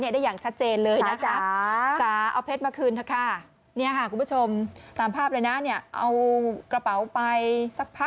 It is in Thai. ได้อย่างชัดเจนเลยนะคะศา